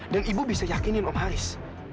dan ibu bisa yakinin om haris